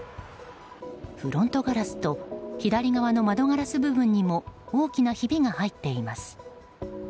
フロントガラスと左側の窓ガラス部分にも大きなひびが入っています。